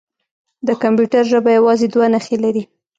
د کمپیوټر ژبه یوازې دوه نښې لري.